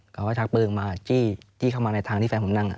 เขาก็ชักปืนมาจี้เข้ามาในทางที่แฟนผมนั่ง